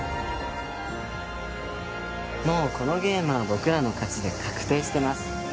もうこのゲームは僕らの勝ちで確定してます。